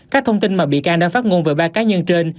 các thông tin mà bị can đang phát ngôn về ba cá nhân trên